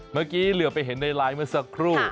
เมื่อกี้เหลือไปเห็นในไลน์เมื่อสักครู่